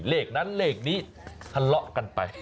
เลขนั้นเลขนี้ทะเลาะกันไป